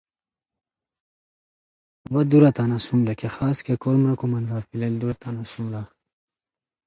Most protists are too small to be seen with the naked eye.